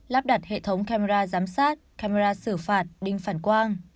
lắp đặt hệ thống camera giám sát camera xử phạt đinh phản quang